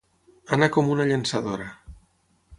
Anar com una llançadora.